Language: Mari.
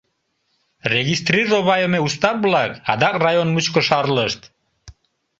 Регистрировайыме устав-влак адак район мучко шарлышт.